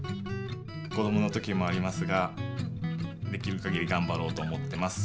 こどもの時もありますができるかぎりがんばろうと思ってます。